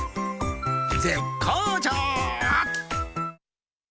絶好調。